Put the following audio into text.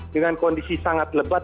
dengan kondisi sangat lebat